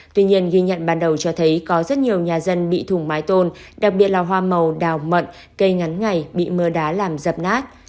tuy nhiên ghi nhận ban đầu cho thấy có rất nhiều nhà dân bị thủng mái tôn đặc biệt là hoa màu đào mận cây ngắn ngày bị mưa đá làm dập nát